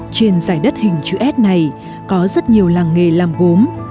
trên giải đất hình chữ s này có rất nhiều làng nghề làm gốm